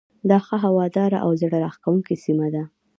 دا ښه هواداره او زړه راکښونکې سیمه ده.